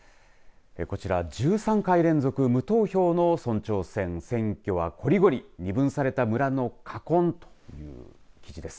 こちら１３回連続無投票の村長選選挙はこりごり二分された村の禍根という記事です。